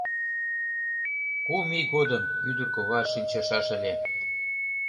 Кум ий годым ӱдыр-кува шинчышаш ыле;